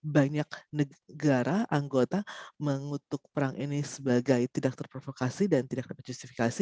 banyak negara anggota mengutuk perang ini sebagai tidak terprovokasi dan tidak dapat justifikasi